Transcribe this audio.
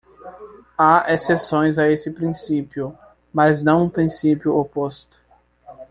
Há exceções a esse princípio, mas não um princípio oposto.